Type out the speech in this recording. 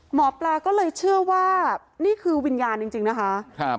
หมอปลาก็เลยเชื่อว่านี่คือวิญญาณจริงนะคะ